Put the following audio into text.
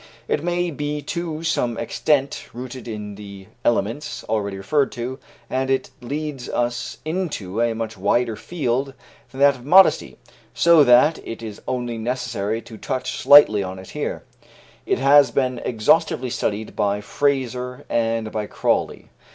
It may be to some extent rooted in the elements already referred to, and it leads us into a much wider field than that of modesty, so that it is only necessary to touch slightly on it here; it has been exhaustively studied by Frazer and by Crawley.